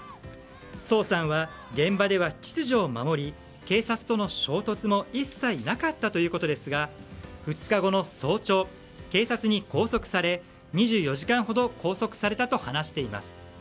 ソウさんは現場では秩序を守り警察との衝突も一切なかったということですが２日後の早朝、警察に拘束され２４時間ほど拘束されたと話しています。